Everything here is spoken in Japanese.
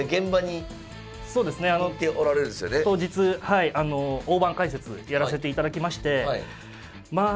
当日大盤解説やらせていただきましてまあ